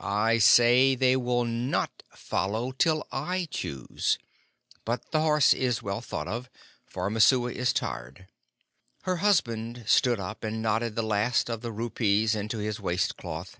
"I say they will not follow till I choose; but the horse is well thought of, for Messua is tired." Her husband stood up and knotted the last of the rupees into his waist cloth.